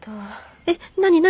えっ何何？